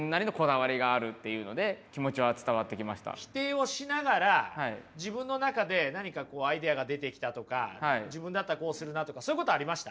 それこそ否定をしながら自分の中で何かアイデアが出てきたとか自分だったらこうするなとかそういうことありました？